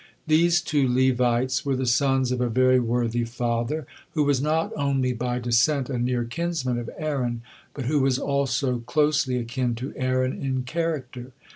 These two Levites were the sons of a very worthy father, who was not only by descent a near kinsman of Aaron, but who was also closely akin to Aaron in character.